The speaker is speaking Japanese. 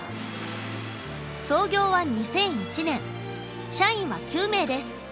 創業は２００１年社員は９名です。